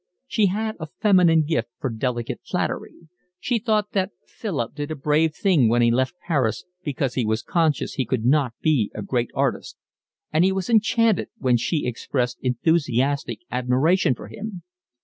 She had a feminine gift for delicate flattery. She thought that Philip did a brave thing when he left Paris because he was conscious he could not be a great artist; and he was enchanted when she expressed enthusiastic admiration for him.